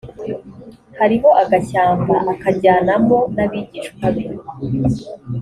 hariho agashyamba akajyanamo n abigishwa be